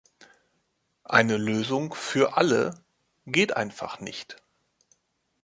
Eine "Lösung für alle" geht einfach nicht.